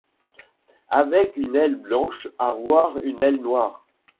Avec une aile blanche avoir une aile noire